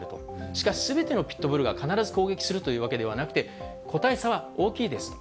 しかし、すべてのピットブルが必ず攻撃するというわけではなくて、個体差は大きいです。